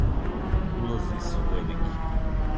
Улози су велики.